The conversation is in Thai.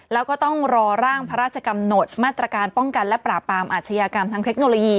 แล้วก็ต้องรอร่างพระราชกำหนดมาตรการป้องกันและปราบปรามอาชญากรรมทางเทคโนโลยี